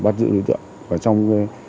bắt giữ đối tượng và trong